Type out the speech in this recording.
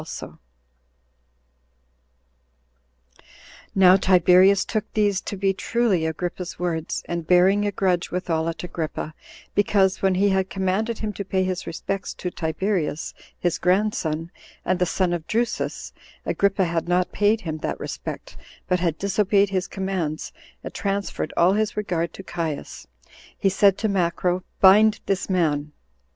Now Tiberius took these to be truly Agrippa's words, and bearing a grudge withal at Agrippa, because, when he had commanded him to pay his respects to Tiberius, his grandson, and the son of Drusus, Agrippa had not paid him that respect, but had disobeyed his commands, and transferred all his regard to Caius; he said to Macro, "Bind this man."